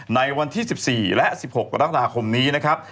ในวันที่๑๔และ๑๖กรกฎาคมนี้นะครับ